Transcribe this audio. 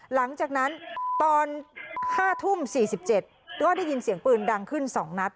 หลังจากนั้นตอน๕ทุ่ม๔๗ก็ได้ยินเสียงปืนดังขึ้น๒นัด